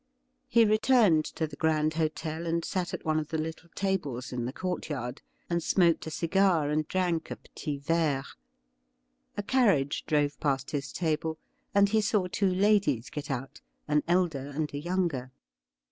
He returned to the Grand Hotel, and sat at one of the little tables in the court yard, and smoked a cigar 5 and drank a petit verre. A carriage drove past his table, and he saw two ladies get outran elder and a younger.